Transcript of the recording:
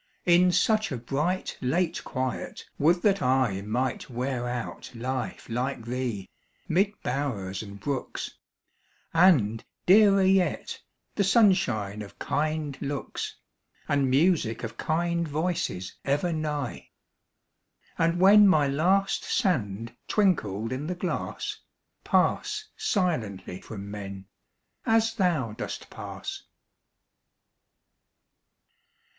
In such a bright, late quiet, would that I Might wear out life like thee, mid bowers and brooks, And, dearer yet, the sunshine of kind looks, And music of kind voices ever nigh; And when my last sand twinkled in the glass, Pass silently from men, as thou dost pass.